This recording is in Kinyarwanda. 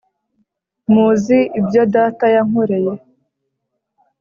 muzi ibyo data yankoreye